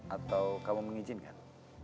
atau kamu mengizinkan